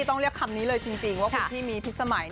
ต้องเรียกคำนี้เลยจริงว่าคุณพี่มีพิษสมัย